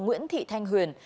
nguyễn thị thanh huyền